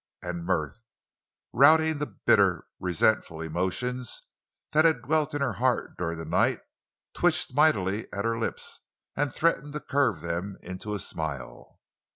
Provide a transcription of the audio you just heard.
And mirth, routing the bitter, resentful emotions that had dwelt in her heart during the night, twitched mightily at her lips and threatened to curve them into a smile.